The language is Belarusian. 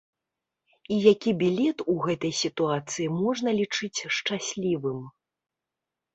І які білет у гэтай сітуацыі можна лічыць шчаслівым?